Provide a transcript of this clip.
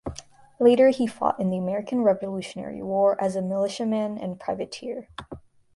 Later he fought in the American Revolutionary War as a militiaman and privateer.